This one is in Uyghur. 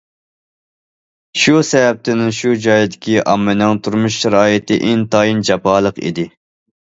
شۇ سەۋەبتىن، شۇ جايدىكى ئاممىنىڭ تۇرمۇش شارائىتى ئىنتايىن جاپالىق ئىدى.